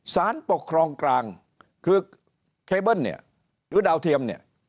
สารปกครองกลางคือเคเบิ้ลหรือดาวเทียม